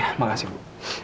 ya terima kasih bu